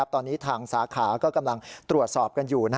ตอนนี้ทางสาขาก็กำลังตรวจสอบกันอยู่